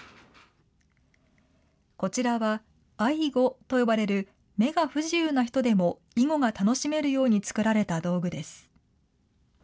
こちらは、アイゴと呼ばれる目が不自由な人でも囲碁が楽しめるように作られた道具です。